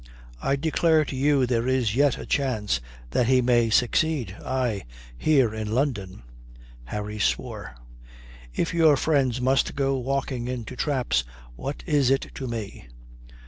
I declare to you there is yet a chance that he may succeed, aye, here in London." Harry swore. "If your friends must go walking into traps what is it to me?"